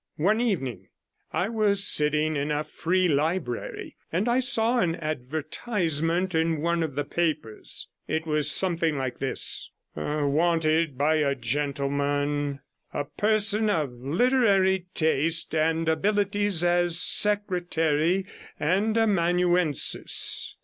One evening I was sitting in a Free Library, and I saw an advertisement in one of the papers. It was something like this: 'Wanted by a gentleman a person of literary taste and abilities as secretary and amanuensis.